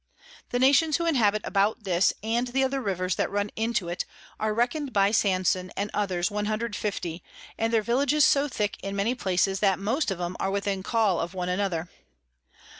The Nations who inhabit about this and the other Rivers that run into it, are reckon'd by Sanson and others 150, and their Villages so thick in many places, that most of 'em are within Call of one another.